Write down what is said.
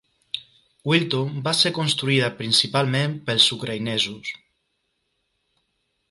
Wilton va ser construïda principalment pels ucraïnesos.